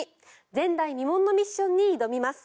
前代未聞のミッションに挑みます。